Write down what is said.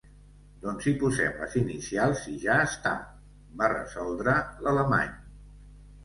Doncs hi posem les inicials i ja està! —va resoldre l'alemany.